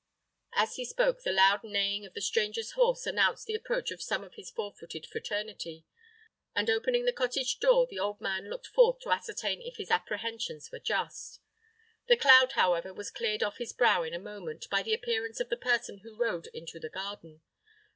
As he spoke, the loud neighing of the stranger's horse announced the approach of some of his four footed fraternity, and opening the cottage door, the old man looked forth to ascertain if his apprehensions were just. The cloud, however, was cleared off his brow in a moment, by the appearance of the person who rode into the garden.